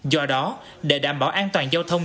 do đó để đảm bảo an toàn giao thông